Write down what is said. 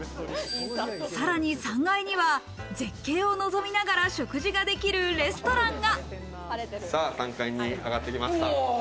さらに３階には絶景を望みながら食事ができるレストランが。